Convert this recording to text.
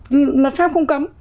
nhưng luật pháp không cấm